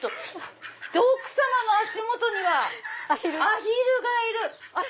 奥さまの足元にはアヒルがいる。